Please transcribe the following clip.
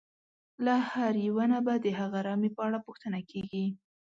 له هر یوه نه به د هغه رمې په اړه پوښتنه کېږي.